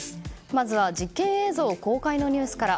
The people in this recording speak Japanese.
まずは実験映像公開のニュースから。